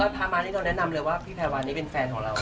พามานี่เราแนะนำเลยว่าพี่แพรวานี่เป็นแฟนของเรา